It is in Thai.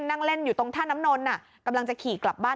นั่งเล่นอยู่ตรงท่าน้ำนนกำลังจะขี่กลับบ้าน